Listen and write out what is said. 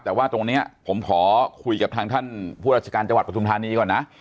แต่ว่าตรงนี้ผมขอคุยกับทางท่านผู้ราชการจังหวัดปทุมธานีก่อนนะ